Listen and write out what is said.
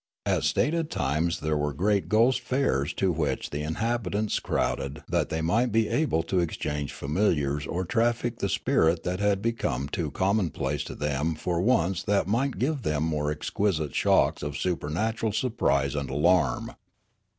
At stated times there were great ghost fairs to which the inhabit ants crowded that they might be able to exchange familiars or traffic the spirit that had become too com monplace to them for one that might give them more exquisite shocks of supernatural surprise and alarm.